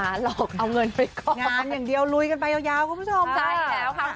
อายุงานอย่างเดียวลุยกันไปยาวคุณผู้ชม